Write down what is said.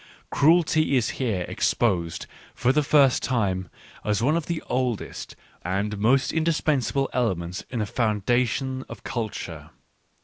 Cruelty is here ex posed, for the first time, as one of the oldest and most indispensable elements in the foundation of culture.